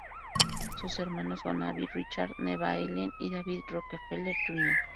Sus hermanos son Abby, Richard, Neva, Eileen, y David Rockefeller Jr.